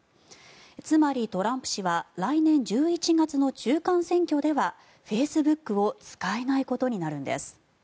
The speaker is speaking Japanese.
つまり、トランプ氏は来年１１月の中間選挙ではフェイスブックを使えないことになるんです。